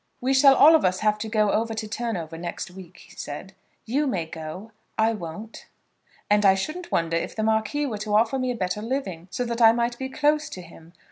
"We shall all of us have to go over to Turnover next week," he said. "You may go. I won't." "And I shouldn't wonder if the Marquis were to offer me a better living, so that I might be close to him.